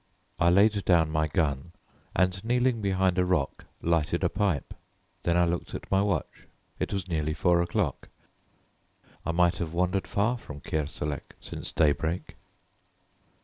I laid down my gun, and kneeling behind a rock lighted a pipe. Then I looked at my watch. It was nearly four o'clock. I might have wandered far from Kerselec since daybreak.